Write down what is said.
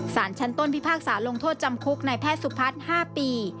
สารชั้นต้นพิพากษาลงโทษจำคุกในแพทย์สุพัฒน์๕ปี